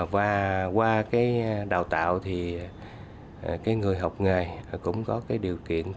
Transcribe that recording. và qua cái đào tạo thì cái người học nghề cũng có cái điều kiện tốt hơn